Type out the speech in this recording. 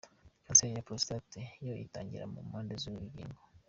Kanseri ya porostate yo itangirira mu mpande z’uru rugingo.